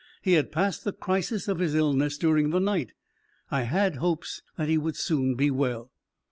He had passed the crisis of his illness during the night; I had hopes that he would soon be well.